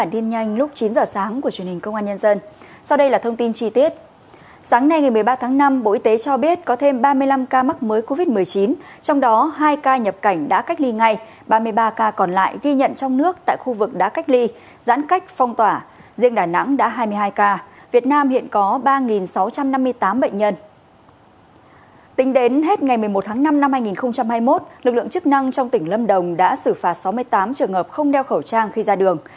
tính đến hết ngày một mươi một tháng năm năm hai nghìn hai mươi một lực lượng chức năng trong tỉnh lâm đồng đã xử phạt sáu mươi tám trường hợp không đeo khẩu trang khi ra đường